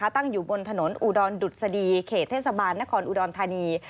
ตั้งอยู่บนถนนอุดรดุษฎีเขตเทศบาลนครอุดรธานี